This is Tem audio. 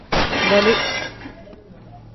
Beli.